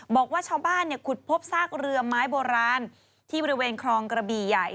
บอกว่าชาวบ้านขุดพบซากเรือไม้โบราณที่บริเวณคลองกระบี่ใหญ่